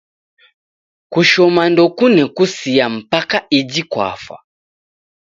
Kushoma ndokune kusia mpaka iji kwafa